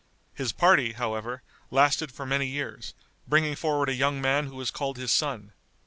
His party, however, lasted for many years, bringing forward a young man who was called his son.